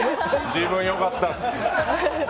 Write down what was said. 自分、よかったっす。